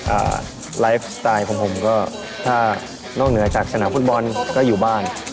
อ่าไลฟ์สไตล์ของผมก็ถ้านอกเหนือจากสนามฟุตบอลก็อยู่บ้าน